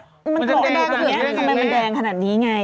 ทำไมมันแดงขนาดนี้ไง